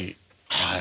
はい。